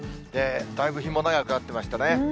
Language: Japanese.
だいぶ日も長くなってきましたね。